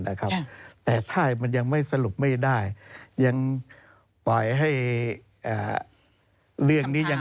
นะครับแต่ถ้ามันยังไม่สรุปไม่ได้ยังปล่อยให้เรื่องนี้ยัง